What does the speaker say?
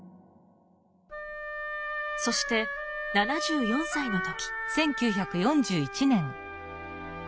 そして７４歳の時。